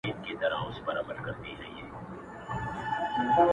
په لس هاوو یې لیدلي وه ښارونه،